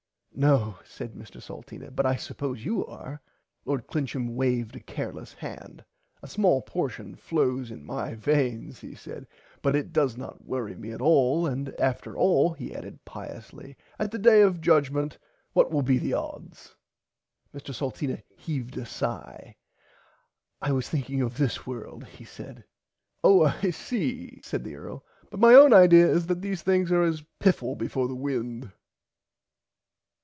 No said Mr Salteena but I suppose you are. Lord Clincham waved a careless hand. A small portion flows in my viens he said but it dose not worry me at all and after all he added piously at the Day of Judgement what will be the odds. Mr Salteena heaved a sigh. I was thinking of this world he said. Oh I see said the Earl but my own idear is that these things are as piffle before the wind.